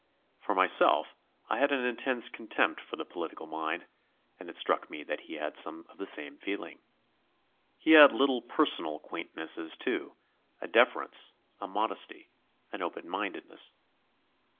For myself, I had an intense contempt for the political mind, and it struck me that he had some of the same feeling. He had little personal quaintnesses, too, a deference, a modesty, an open mindedness.